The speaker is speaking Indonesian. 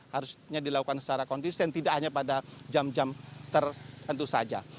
harusnya dilakukan secara konsisten tidak hanya pada jam jam tertentu saja